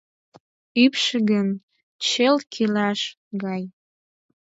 Ӱпшӧ гын — чылт кӱляш гай.